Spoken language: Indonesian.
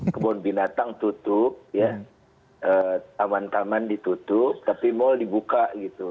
kebun binatang tutup taman taman ditutup tapi mal dibuka gitu